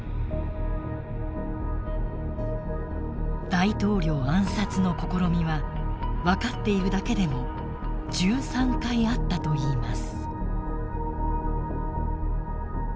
大統領暗殺の試みは分かっているだけでも１３回あったといいます。